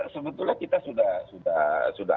sebetulnya kita sudah